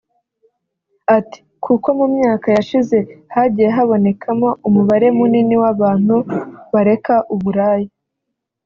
Ati “Kuko mu myaka yashize hagiye habonekamo umubare munini w’abantu bareka uburaya